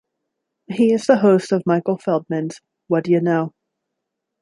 He is the host of Michael Feldman's Whad'Ya Know?